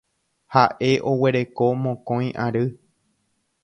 Ha'e oguereko mokõi ary.